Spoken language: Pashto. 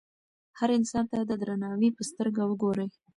هر انسان ته د درناوي په سترګه وګورئ.